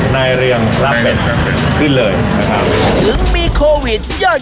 นายเรียกขึ้นเลยนะครับถึงมีโควิดยอด